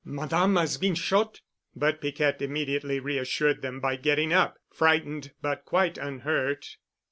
"Madame has been shot——?" But Piquette immediately reassured them by getting up, frightened but quite unhurt.